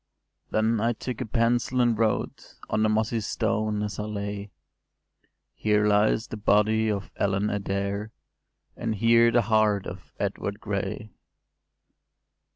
’ “Then I took a pencil, and wrote On the mossy stone, as I lay, ‘Here lies the body of Ellen Adair; And here the heart of Edward Gray!